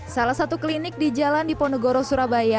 salah satu klinik di jalan di ponegoro surabaya